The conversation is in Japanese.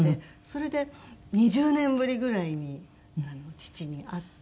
それで２０年ぶりぐらいに父に会って。